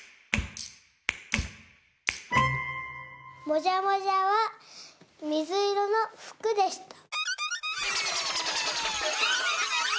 もじゃもじゃはみずいろのふくでした。